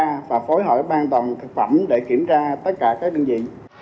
và phối hợp với bang an toàn thực phẩm để kiểm tra tất cả các đơn vị